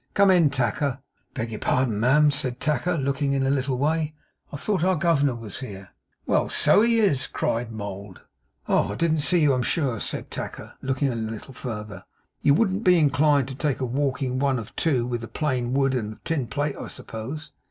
Come in, Tacker.' 'Beg your pardon, ma'am,' said Tacker, looking in a little way. 'I thought our Governor was here.' 'Well! so he is,' cried Mould. 'Oh! I didn't see you, I'm sure,' said Tacker, looking in a little farther. 'You wouldn't be inclined to take a walking one of two, with the plain wood and a tin plate, I suppose?